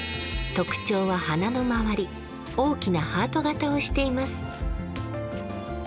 特徴は花の周り、大きなハート型をしています。